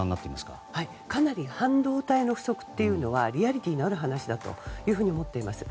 かなり半導体の不足はリアリティーのある話だと思っています。